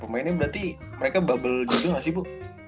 pemainnya berarti mereka bubble gitu gak sih bu